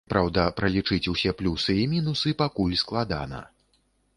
Праўда, пралічыць усе плюсы і мінусы пакуль складана.